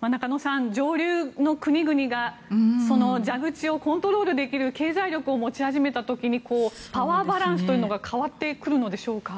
中野さん、上流の国々が蛇口をコントロールできる経済力を持ち始めた時にパワーバランスというのが変わってくるのでしょうか。